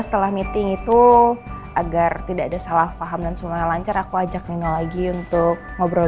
setelah meeting itu agar tidak ada salah paham dan semuanya lancar aku ajak nino lagi untuk ngobrol